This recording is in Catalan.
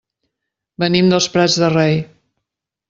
Venim dels Prats de Rei.